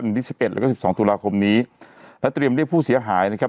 ที่สิบเอ็ดแล้วก็สิบสองตุลาคมนี้และเตรียมเรียกผู้เสียหายนะครับ